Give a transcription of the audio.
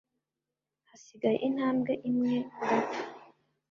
hasigaye intambwe imwe ngapfa.”